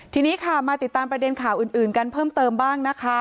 ทีนี้ค่ะมาติดตามประเด็นข่าวอื่นกันเพิ่มเติมบ้างนะคะ